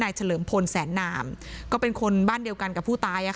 เฉลิมพลแสนนามก็เป็นคนบ้านเดียวกันกับผู้ตาย